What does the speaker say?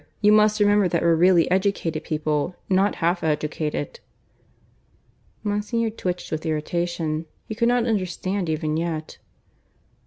You must remember we're really educated people, not half educated." Monsignor twitched with irritation. He could not understand even yet.